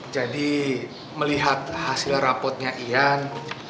jadi melihat hasil rapotnya yan